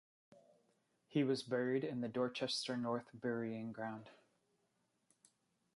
He was buried in the Dorchester North Burying Ground.